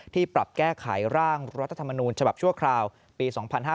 ปรับแก้ไขร่างรัฐธรรมนูญฉบับชั่วคราวปี๒๕๕๙